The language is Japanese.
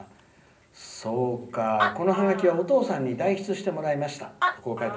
このハガキはお父さんに代筆してもらいました。